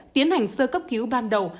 tiến hành sơ cấp cứu ban đầu